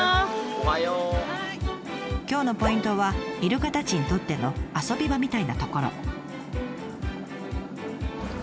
今日のポイントはイルカたちにとっての遊び場みたいな所。